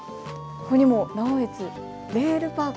ここにも「直江津レールパーク」。